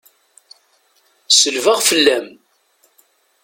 Selbeɣ fell-am.